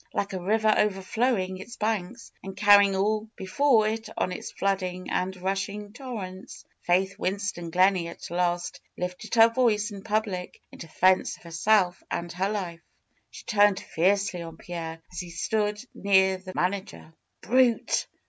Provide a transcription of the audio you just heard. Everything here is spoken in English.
Like a river overfiowing its hanks and carrying all be fore it on its flooding and rushing torrents. Faith Win ston Gleney at last lifted her voice in public in defense of herself and her life. She turned fiercely on Pierre, as he stood near the manager. ''Brute!